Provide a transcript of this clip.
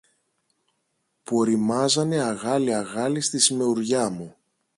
που ωριμάζανε αγάλι-αγάλι στη σμεουριά μου.